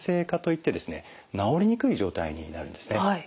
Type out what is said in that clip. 治りにくい状態になるんですね。